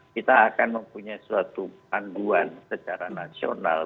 kita akan mempunyai suatu panduan secara nasional